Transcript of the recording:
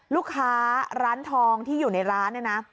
ลูกค้าร้านทองที่อยู่ในร้านเนี่ยนะ